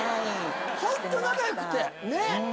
ホント仲良くてねっ。